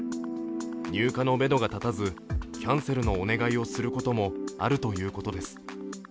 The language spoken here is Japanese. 入荷のめどが立たずキャンセルのお願いをすることもあるということです。